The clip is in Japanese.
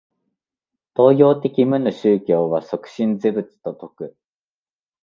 東洋的無の宗教は即心是仏と説く。